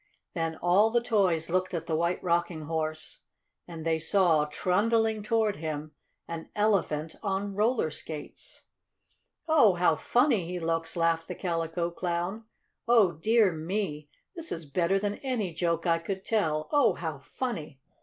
Then all the toys looked at the White Rocking Horse, and they saw, trundling toward him, an Elephant on roller skates. "Oh, how funny he looks!" laughed the Calico Clown. "Oh, dear me! This is better than any joke I could tell! Oh, how funny!"